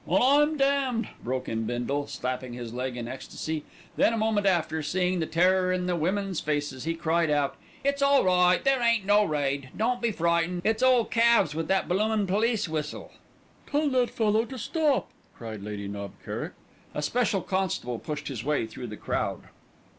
"Well, I'm damned!" broke in Bindle, slapping his leg in ecstasy; then a moment after, seeing the terror on the women's faces, he cried out: "It's all right, there ain't no raid. Don't be frightened. It's ole Calves with that bloomin' police whistle." "Tell that fool to stop," cried Lady Knob Kerrick. A special constable pushed his way through the crowd.